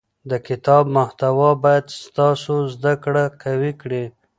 د کتاب محتوا باید ستاسو زده کړه قوي کړي.